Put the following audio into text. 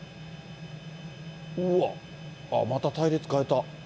うわっ、また隊列変えた。